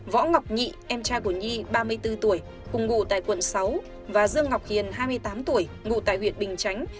võ ngọc nhị em trai của nhi ba mươi bốn tuổi cùng ngụ tại quận sáu và dương ngọc hiền hai mươi tám tuổi ngụ tại huyện bình chánh